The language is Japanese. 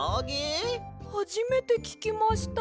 はじめてききました。